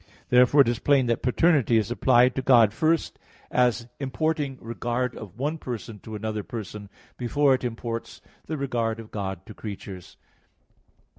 Therefore it is plain that "paternity" is applied to God first, as importing regard of one Person to another Person, before it imports the regard of God to creatures.